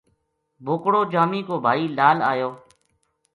بوکڑو جامی کو بھائی لال آیو۔